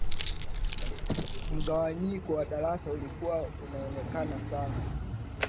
mgawanyiko wa darasa ulikuwa unaonekana sana